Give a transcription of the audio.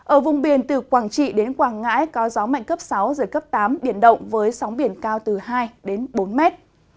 ở vùng biển từ quảng trị đến quảng ngãi có gió mạnh cấp sáu giật cấp tám biển động với sóng biển cao từ hai bốn mét